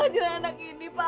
maju anak ini pak